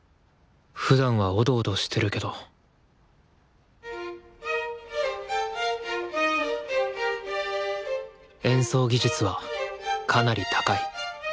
ふだんはおどおどしてるけど演奏技術はかなり高い。